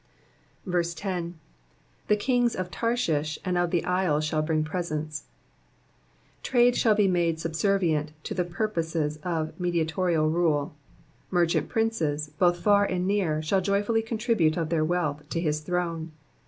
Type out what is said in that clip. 10. The kings of Tarshish and of the isles shall bring presents.''^ Trade shall be made subservient to the purposes of mediatorial rule ; merchant princes, both far and near, shall joyfully contribute of their wealth to his throne.